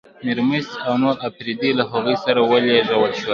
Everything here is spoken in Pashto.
میرمست او نور اپرېدي له هغوی سره ولېږل شول.